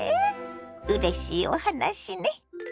うれしいお話ね。